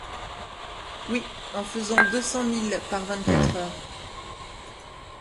Oui, en faisant deux cents milles par vingt-quatre heures.